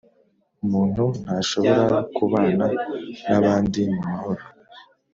umuntu ntashobora kubana n’abandi mu mahoro,